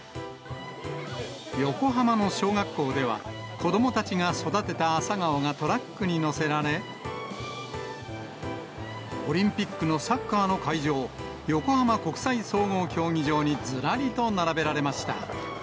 横浜の小学校では、子どもたちが育てた朝顔がトラックに載せられ、オリンピックのサッカーの会場、横浜国際総合競技場にずらりと並べられました。